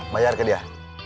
bayar ke dia